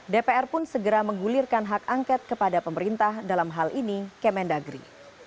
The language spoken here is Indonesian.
dpr pun segera menggulirkan hak angket kepada pemerintah dalam hal ini kemendagri